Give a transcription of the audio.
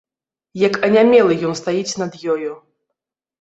Як анямелы, ён стаіць над ёю.